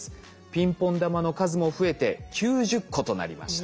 ピンポン玉の数も増えて９０個となりました。